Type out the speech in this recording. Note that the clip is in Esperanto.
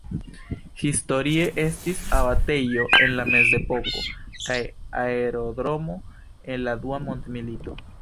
Historie estis abatejo en la Mezepoko kaj aerodromo en la Dua mondmilito.